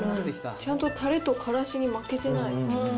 ちゃんとたれとからしに負けてない。